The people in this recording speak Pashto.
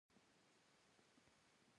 د ژرۍ کلی موقعیت